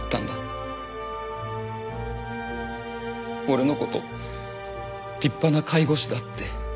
俺の事立派な介護士だって。